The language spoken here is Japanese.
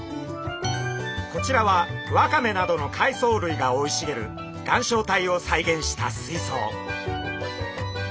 こちらはワカメなどの海藻類が生い茂る岩礁帯を再現した水槽。